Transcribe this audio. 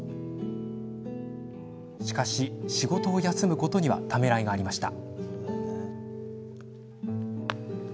しかし、仕事を休むことにはためらいがありました。